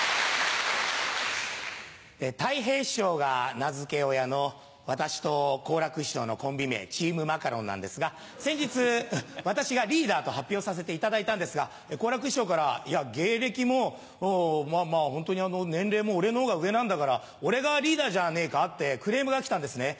たい平師匠が名付け親の私と好楽師匠のコンビ名チームマカロンなんですが先日私がリーダーと発表させていただいたんですが好楽師匠からいや芸歴もまぁまぁホントに年齢も俺のほうが上なんだから俺がリーダーじゃねえか？ってクレームが来たんですね。